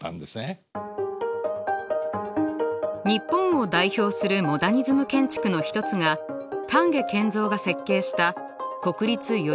日本を代表するモダニズム建築の一つが丹下健三が設計した国立代々木競技場です。